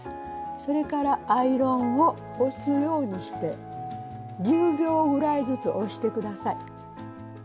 それからアイロンを押すようにして１０秒ぐらいずつ押して下さい。